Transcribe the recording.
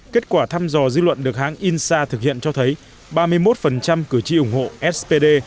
kết quả thăm dò dư luận được hãng insa thực hiện cho thấy ba mươi một cử tri ủng hộ spd